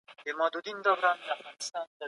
حکومت کول د سياستپوهني له بنسټيزو دندو څخه دي.